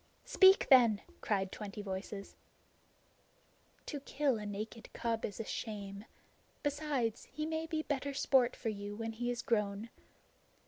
"Speak then," cried twenty voices. "To kill a naked cub is shame. Besides, he may make better sport for you when he is grown.